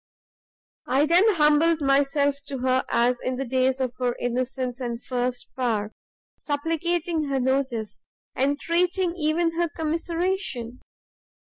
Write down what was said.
I then humbled myself to her as in the days of her innocence and first power, supplicating her notice, entreating even her commiseration!